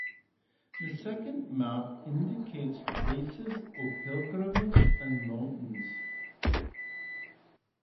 The second map indicates places of pilgrimage, and mountains.